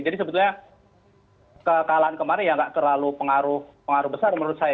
jadi sebetulnya kekalahan kemarin ya nggak terlalu pengaruh besar menurut saya